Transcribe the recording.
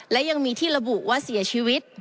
และยังมีที่ระบุว่าเสียชีวิต